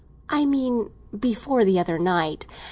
"I mean before the other night.